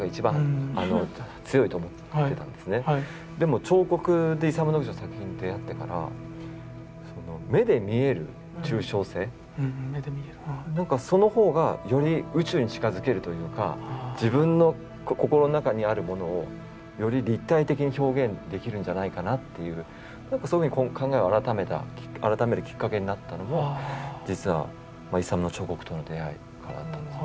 でも彫刻でイサム・ノグチ作品に出会ってから目で見える抽象性その方がより宇宙に近づけるというか自分の心の中にあるものをより立体的に表現できるんじゃないかなっていうそういうふうに考えを改めるきっかけになったのも実はイサムの彫刻との出会いからだったんですね。